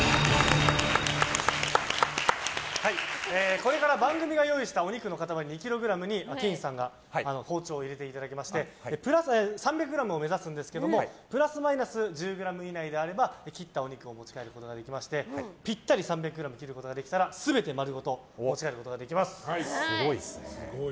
これから番組が用意したお肉の塊２ｋｇにケインさんが包丁を入れていただきまして３００ｇを目指すんですがプラスマイナス１０ｇ以内であれば切ったお肉を持ち帰ることができましてぴったり３００ｇに切ることができたら全て丸ごと持ち帰ることができます。